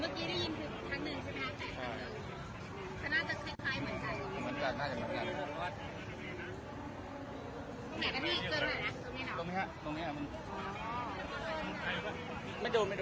แต่เมื่อกี้ได้ยินคือทางหนึ่งใช่ไหมใช่คัน่าจะสิ้นไฟเหมือนกัน